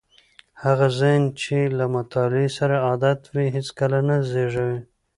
هغه ذهن چې له مطالعې سره عادت وي هیڅکله نه زړېږي.